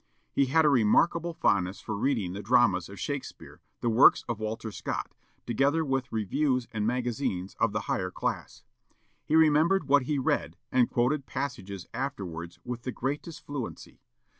He had a remarkable fondness for reading the dramas of Shakespeare, the works of Walter Scott, together with reviews and magazines of the higher class. He remembered what he read, and quoted passages afterwards with the greatest fluency....